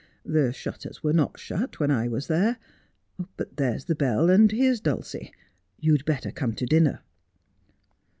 The shutters were not shut when I was there. But there's the bell, and here's Dulcie. You'd better come to dinner.'